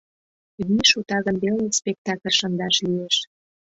Вий шута гын веле спектакль шындаш лиеш.